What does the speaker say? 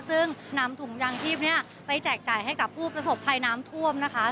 ซึ่งนำถุงยางชีพนี้ไปแจกจ่ายให้กับผู้ประสบภัยน้ำท่วมนะคะ